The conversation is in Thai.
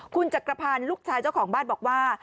คุณจักรพันธ์ลูกชายเจ้าของบ้านบอกว่า